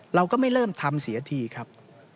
เราก็ไม่เริ่มทำเสียทีครับ